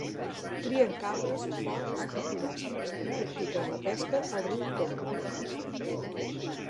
Crien cabres, porcs i pollastres i practiquen la pesca al riu Congo.